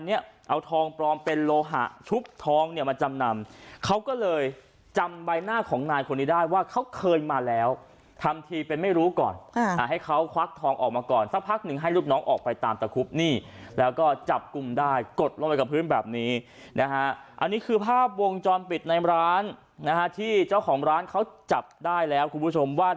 เนี่ยเอาทองปลอมเป็นโลหะชุบทองเนี่ยมาจำนำเขาก็เลยจำใบหน้าของนายคนนี้ได้ว่าเขาเคยมาแล้วทำทีเป็นไม่รู้ก่อนให้เขาควักทองออกมาก่อนสักพักหนึ่งให้ลูกน้องออกไปตามตะคุบนี่แล้วก็จับกลุ่มได้กดลงไปกับพื้นแบบนี้นะฮะอันนี้คือภาพวงจรปิดในร้านนะฮะที่เจ้าของร้านเขาจับได้แล้วคุณผู้ชมว่า